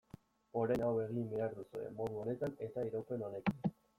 Orain hau egin behar duzue, modu honetan eta iraupen honekin.